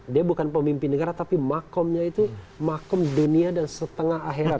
dia bukan pemimpin negara tapi makomnya itu makam dunia dan setengah akhirat